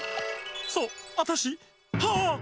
そうアタシはっ！